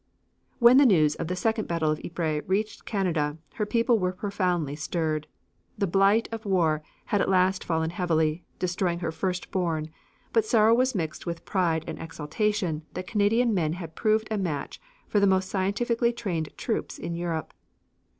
When the news of the second battle of Ypres reached Canada her people were profoundly stirred. The blight of war had at last fallen heavily, destroying her first born, but sorrow was mixed with pride and exaltation that Canadian men had proved a match for the most scientifically trained troops in Europe.